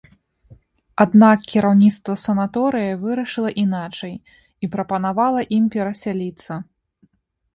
Аднак кіраўніцтва санаторыя вырашыла іначай і прапанавала ім перасяліцца.